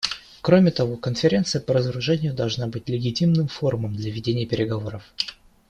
Кроме того, Конференция по разоружению должна быть легитимным форумом для ведения переговоров.